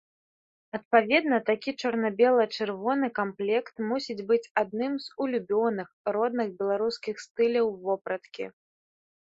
Адпаведна, такі чорна-бела-чырвоны камплект мусіць быць адным з улюбёных, родных беларускіх стыляў вопраткі.